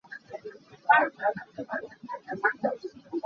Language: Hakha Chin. Tii ka pek.